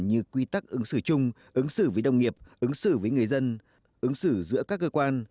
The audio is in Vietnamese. như quy tắc ứng xử chung ứng xử với đồng nghiệp ứng xử với người dân ứng xử giữa các cơ quan